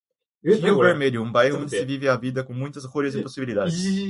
Rio Vermelho, um bairro onde se vive a vida com muitas cores e possibilidades.